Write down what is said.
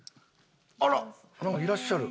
あら！なんかいらっしゃる。